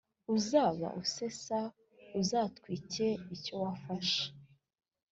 uzaba usesa uzatwike icyo wafashe